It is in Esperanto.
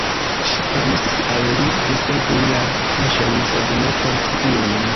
Ŝi permesis al li desegni la aĵojn, sed ne foti ilin.